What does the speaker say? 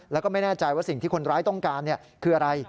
แล้วก็ไม่แน่ใจว่าสิ่งที่คนร้ายต้องการคืออะไร